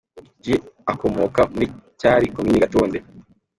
G, agakomoka mu cyari Komini Gatonde ;.